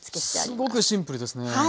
すごくシンプルですね。